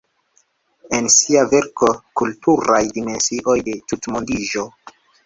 En sia verko "Kulturaj dimensioj de tutmondiĝo.